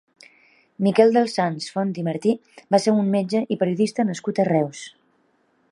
Miquel dels Sants Font i Martí va ser un metge i periodista nascut a Reus.